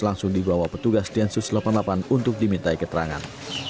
langsung dibawa petugas densus delapan puluh delapan untuk dimintai keterangan